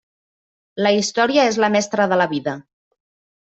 La història és la mestra de la vida.